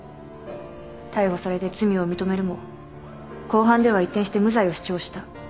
逮捕されて罪を認めるも公判では一転して無罪を主張した。